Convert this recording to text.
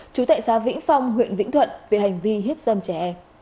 chú tệ xá vĩnh phong huyện vĩnh thuận về hành vi hiếp dâm trẻ